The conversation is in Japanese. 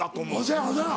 そやわな。